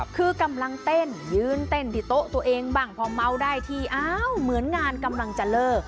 คือกำลังเต้นยืนเต้นที่โต๊ะตัวเองบ้างพอเมาได้ทีอ้าวเหมือนงานกำลังจะเลิก